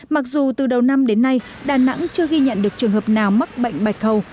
mặc dù từ đầu năm đến nay đà nẵng chưa ghi nhận được trường hợp nào mắc bệnh bạch hầu